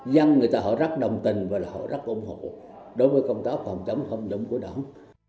dân người ta họ rất đồng tình và họ rất ủng hộ đối với công tác phòng chống tham nhũng của đảng